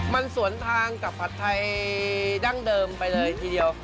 มันสวนทางกับผัดไทยดั้งเดิมไปเลยทีเดียว